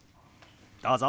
どうぞ。